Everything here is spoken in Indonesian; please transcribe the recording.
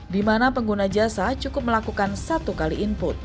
di mana pengguna jasa cukup melakukan satu kali input